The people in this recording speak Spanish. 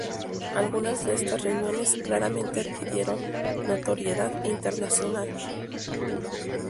Algunas de estas reuniones claramente adquirieron notoriedad internacional.